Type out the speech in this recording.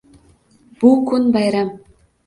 Bukun bayram